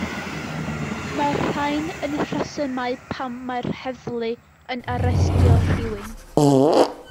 Mae'r rhain yn rhesymau pam mae'r heddlu yn arestio rhywun.